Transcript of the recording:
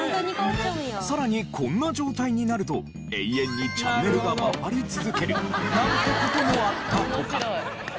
さらにこんな状態になると永遠にチャンネルが回り続けるなんて事もあったとか。